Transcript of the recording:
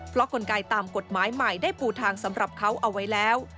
เพราะกลไกตามกฎหมายใหม่ได้ปูทางสำหรับเขาเอาไว้แล้ว